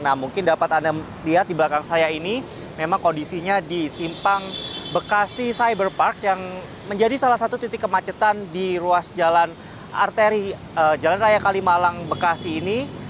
nah mungkin dapat anda lihat di belakang saya ini memang kondisinya di simpang bekasi cyber park yang menjadi salah satu titik kemacetan di ruas jalan arteri jalan raya kalimalang bekasi ini